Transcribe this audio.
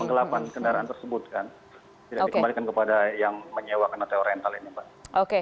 pengelapan kendaraan tersebut kan tidak dikembalikan kepada yang menyewa karena teori rental ini pak